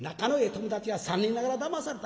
友達が３人ながらだまされた。